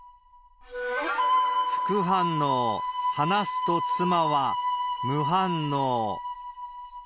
副反応、話すと妻は、無反応。